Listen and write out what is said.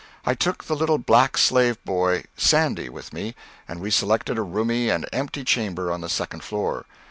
I took the little black slave boy, Sandy, with me, and we selected a roomy and empty chamber on the second floor.